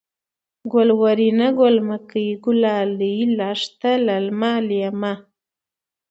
گلورينه ، گل مکۍ ، گلالۍ ، لښته ، للمه ، لېمه